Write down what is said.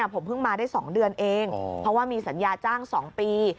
ผมเพิ่งมาได้๒เดือนเองเพราะว่ามีสัญญาจ้าง๒ปี